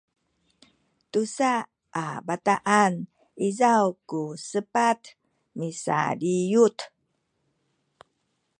tusa a bataan izaw ku sepat misaliyut